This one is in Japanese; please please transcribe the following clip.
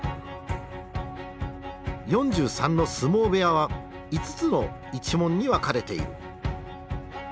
４３の相撲部屋は５つの一門に分かれている。